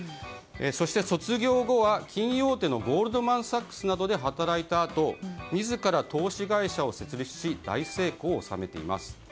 そして、卒業後は金融大手のゴールドマン・サックスなどで働いたあと自ら投資会社を設立し大成功を収めています。